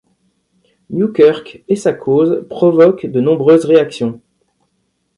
Newkirk et sa cause provoquent de nombreuses réactions.